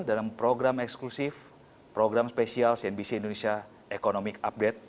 dalam program eksklusif program spesial cnbc indonesia economic update